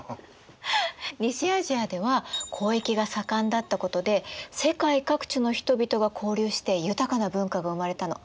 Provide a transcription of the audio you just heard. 西アジアでは交易が盛んだったことで世界各地の人々が交流して豊かな文化が生まれたの。